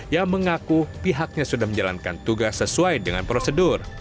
yang mengaku pihaknya sudah menjalankan tugas sesuai dengan prosedur